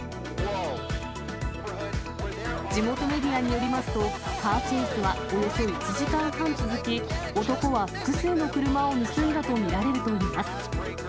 地元メディアによりますと、カーチェイスはおよそ１時間半続き、男は複数の車を盗んだと見られるといいます。